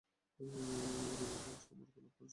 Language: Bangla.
আর এভাবেই সে অমরত্ব লাভ করেছে।